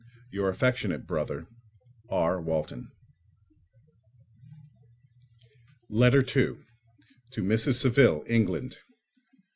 Your affectionate brother, R. Walton Letter 2 _To Mrs. Saville, England.